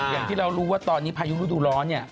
อย่างที่เรารู้ว่าตอนนี้พายุฤดูร้อนเนี่ย